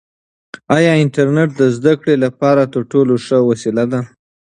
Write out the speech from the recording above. آیا انټرنیټ د زده کړې لپاره تر ټولو ښه وسیله ده؟